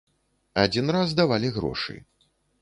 Адзін раз давалі грошы.